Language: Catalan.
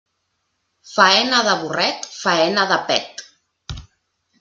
Faena de burret, faena de pet.